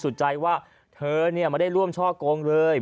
เนื่องจากว่าอยู่ระหว่างการรวมพญาหลักฐานนั่นเองครับ